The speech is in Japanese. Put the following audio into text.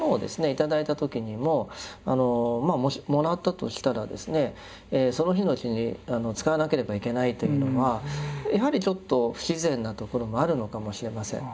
頂いた時にももらったとしたらですねその日のうちに使わなければいけないというのはやはりちょっと不自然なところもあるのかもしれません。